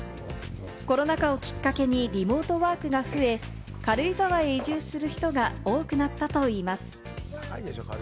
コロナ禍をきっかけにリモートワークが増え、軽井沢へ移住する人が多くなったといいます。